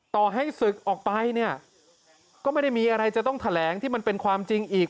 ต่อให้ศึกออกไปเนี่ยก็ไม่ได้มีอะไรจะต้องแถลงที่มันเป็นความจริงอีก